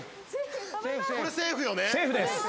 これセーフよね？